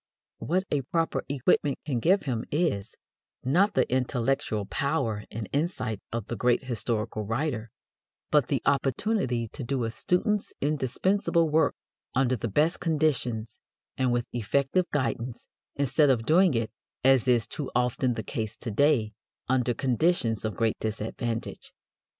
What a proper equipment can give him is, not the intellectual power and insight of the great historical writer, but the opportunity to do a student's indispensable work under the best conditions and with effective guidance, instead of doing it, as is too often the case to day, under conditions of great disadvantage.